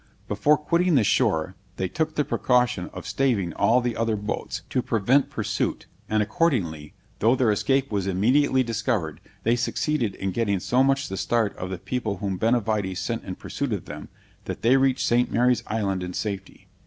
Before quitting the shore, they took the precaution of staving all the other boats, to prevent pursuit, and accordingly, though their escape was immediately discovered, they succeeded in getting so much the start of the people whom Benavides sent in pursuit of them, that they reached St. Mary's Island in safety.